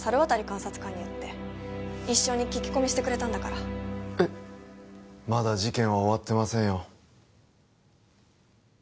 監察官に言って一緒に聞き込みしてくれたんだからえっまだ事件は終わってませんよ